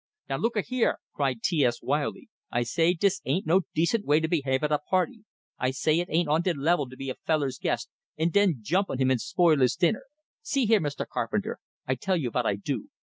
"Now looka here!" cried T S, wildly. "I say dis ain't no decent way to behave at a party. I say it ain't on de level to be a feller's guest, and den jump on him and spoil his dinner. See here, Mr. Carpenter, I tell you vot I do.